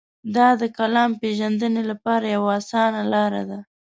دا د کالم پېژندنې لپاره یوه اسانه لار ده.